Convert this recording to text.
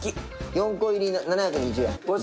４個入り７２０円。